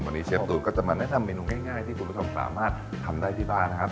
วันนี้เชฟตูนก็จะมาแนะนำเมนูง่ายที่คุณผู้ชมสามารถทำได้ที่บ้านนะครับ